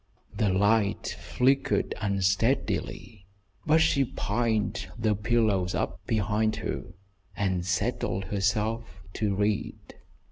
The light flickered unsteadily, but she piled the pillows up behind her and settled herself to read.